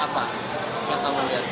apa yang kamu lihat